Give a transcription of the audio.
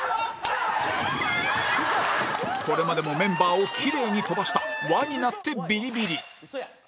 これまでもメンバーをきれいに飛ばした輪になってビリビリ